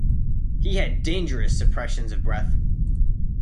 He had dangerous suppressions of breath.